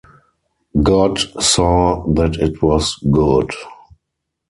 God saw that it was good.